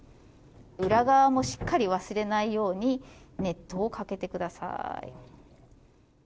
裏側もしっかり忘れないように熱湯をかけてください。